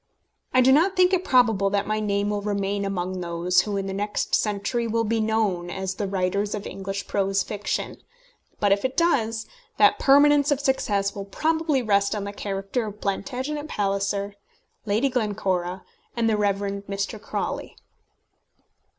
I do not think it probable that my name will remain among those who in the next century will be known as the writers of English prose fiction; but if it does, that permanence of success will probably rest on the character of Plantagenet Palliser, Lady Glencora, and the Rev. Mr. Crawley.